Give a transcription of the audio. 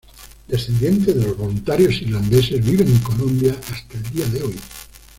Descendientes de los voluntarios irlandeses viven en Colombia hasta el día de hoy.